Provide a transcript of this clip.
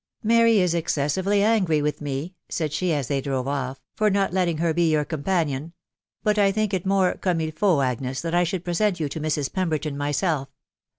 " Mary is excessively angry with 10%" said ahe, as they drove of£ " far not letting her he your companion ; but I think it more cotnme Ufaut, .Agnes, that 1 should present you to Mrs. Pemberton myself.